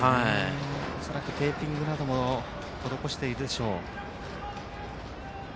恐らくテーピングなども施しているでしょう。